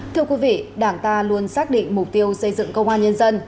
thưa quý vị đảng ta luôn xác định mục tiêu xây dựng công an nhân dân